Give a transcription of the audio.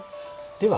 では